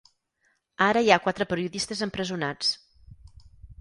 Ara hi ha quatre periodistes empresonats.